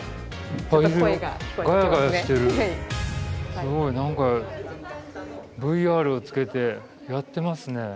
すごい何かＶＲをつけてやってますね。